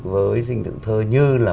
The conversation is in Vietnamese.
với dinh thượng thơ như là